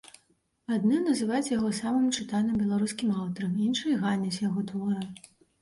Адны называюць яго самым чытаным беларускім аўтарам, іншыя ганяць яго творы.